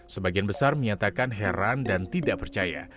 sebagian besar menyatakan heran dan tidak percaya